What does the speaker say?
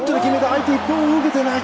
相手は一歩も動けていない。